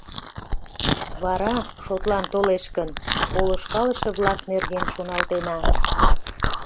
Вара, шотлан толеш гын, полышкалыше-влак нерген шоналтена.